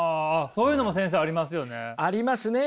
そういうのも先生ありますよね？ありますね。